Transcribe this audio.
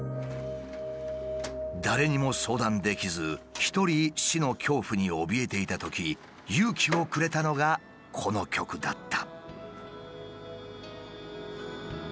誰にも相談できず一人死の恐怖におびえていたとき勇気をくれたのがこの曲だった。